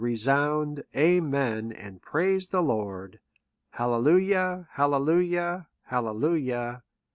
Resound amen, and praise the Lord. Hallelujah! Hallelujah! Hallelujuh!